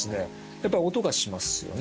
やっぱり音がしますよね。